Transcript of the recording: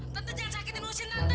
tante jangan sakitin usin tante